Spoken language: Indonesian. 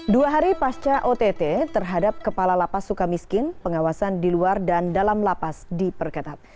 dua hari pasca ott terhadap kepala lapas suka miskin pengawasan di luar dan dalam lapas diperketat